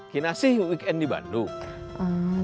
kina sih weekend di bandung